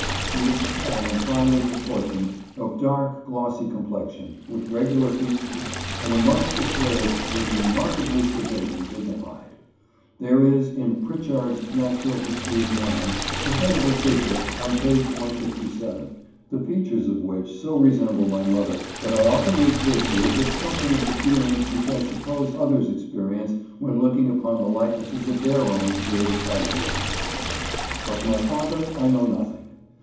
She was tall and finely pro portioned, of dark, glossy complexion, with regular fea tures, and amongst the slaves was remarkably sedate and dignified. There is, in " Prichard's Natural History of Man," the head of a figure, on page 157, the features of which so resemble my mother that I often recur to it with something of the feelings which I suppose others ex perience when looking upon the likenesses of their own dear departed ones. Of my father I know nothing.